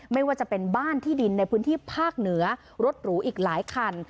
ไม่ว่าจะเป็นบ้านที่ดินในพื้นที่ภาคเหนือรถหรูอีกหลายคัน